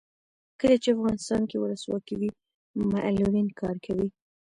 کله چې افغانستان کې ولسواکي وي معلولین کار کوي.